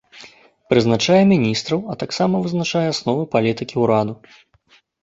Прызначае міністраў, а таксама вызначае асновы палітыкі ўраду.